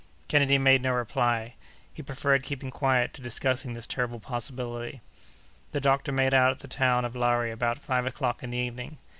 Kennedy made no reply. He preferred keeping quiet to discussing this terrible possibility. The doctor made out the town of Lari about five o'clock in the evening.